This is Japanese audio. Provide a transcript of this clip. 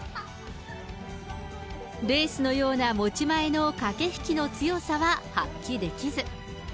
レースのような持ち前の駆け引きの強さは発揮できず。